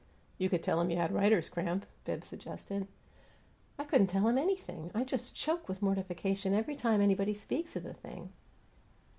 "You could tell 'em you had writer's cramp," Bibbs suggested. "I couldn't tell 'em anything! I just choke with mortification every time anybody speaks of the thing."